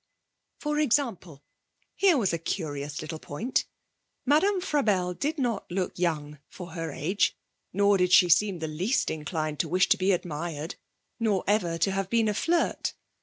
For example, here was a curious little point. Madame Frabelle did not look young for her age, nor did she seem in the least inclined to wish to be admired, nor ever to have been a flirt.